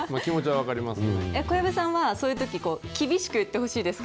小籔さんは、そういうとき、厳しく言ってほしいですか？